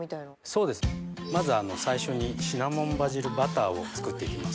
そうですまず最初にシナモンバジルバターを作っていきます。